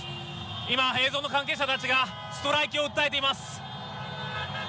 今、映像の関係者たちがストライキを訴えています。